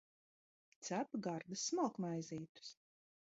Cep gardas smalkmaizītes